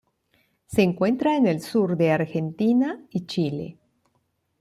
Se encuentra en el sur de Argentina y Chile.